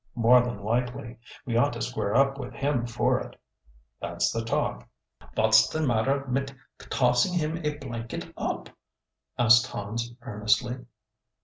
"More than likely. We ought to square up with him for it." "That's the talk." "Vat's der madder mit tossing him a blanket up?" asked Hans earnestly.